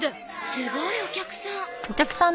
すごいお客さん。